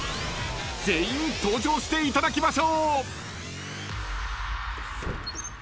［全員登場していただきましょう］